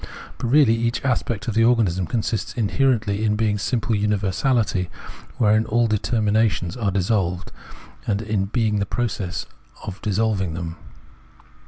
But really each aspect of the organism consists inherently in being simple universality, wherein all determinations are dis solved, and in being the process of dissolving them.